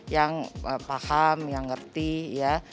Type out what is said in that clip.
yang paham yang ngerti ya